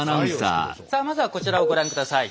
さあまずはこちらをご覧下さい。